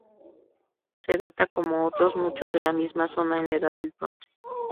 Se datan, como otros muchos de la misma zona, en la Edad del Bronce.